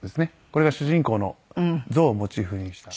これが主人公の象をモチーフにした。